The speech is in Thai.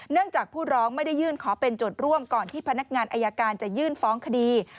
จากผู้ร้องไม่ได้ยื่นขอเป็นโจทย์ร่วมก่อนที่พนักงานอายการจะยื่นฟ้องคดี